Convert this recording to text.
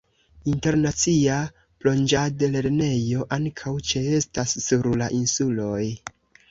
Internacia plonĝadlernejo ankaŭ ĉeestas sur la insuloj.